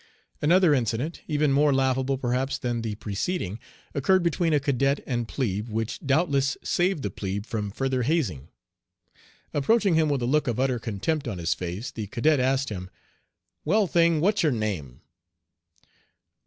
Another incident, even more laughable perhaps than the preceding, occurred between a cadet and plebe, which doubtless saved the plebe from further hazing. Approaching him with a look of utter contempt on his face, the cadet asked him: "Well, thing, what's your name?"